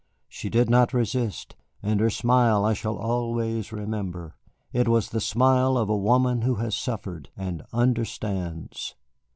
She did not resist, and her smile I shall always remember. It was the smile of a woman who has suffered, and understands.